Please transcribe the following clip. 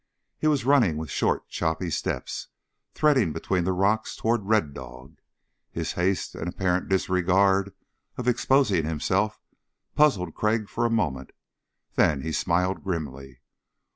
He was running with short choppy steps, threading between the rocks toward Red Dog. His haste and apparent disregard of exposing himself puzzled Crag for a moment, then he smiled grimly.